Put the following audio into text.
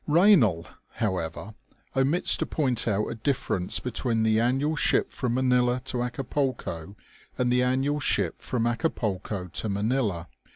Baynal, however, omits to point out a difference between the annual ship from Manila to Acapulco, and the annual ship from Acapulco to Manila.